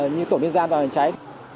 như tổn biên gia toàn dân cháy